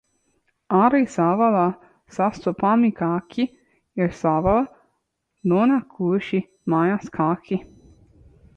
Arī savvaļā sastopamie kaķi ir savvaļā nonākušie mājas kaķi.